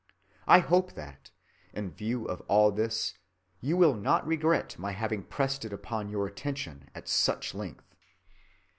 I hope that, in view of all this, you will not regret my having pressed it upon your attention at such length.